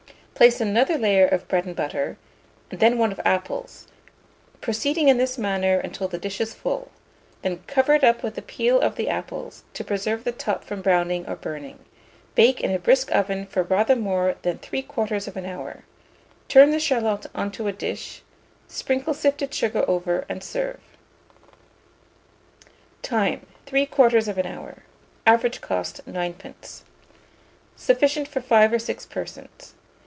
Place another layer of bread and butter, and then one of apples, proceeding in this manner until the dish is full; then cover it up with the peel of the apples, to preserve the top from browning or burning; bake in a brisk oven for rather more than 3/4 hour; torn the charlotte on a dish, sprinkle sifted sugar over, and serve. Time. 3/4 hour. Average cost, 9d. Sufficient for 5 or 6 persons.